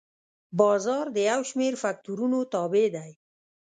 بازار د یو شمېر فکتورونو تابع دی.